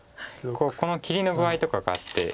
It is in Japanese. この切りの具合とかがあって。